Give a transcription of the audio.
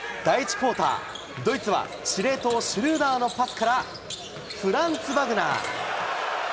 第１クオーター、ドイツは司令塔シュルーダーのパスからフランツ・バグナー。